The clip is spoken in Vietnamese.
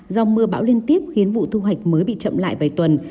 do mưa bão liên tiếp khiến vụ thu hoạch mới bị chậm lại vài tuần